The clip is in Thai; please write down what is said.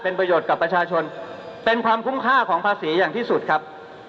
ประโยชน์กับประชาชนเป็นความคุ้มค่าของภาษีอย่างที่สุดครับ